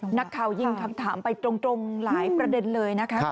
นักข่าวยิงคำถามไปตรงหลายประเด็นเลยนะคะ